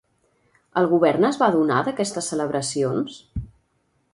El govern es va adonar d'aquestes celebracions?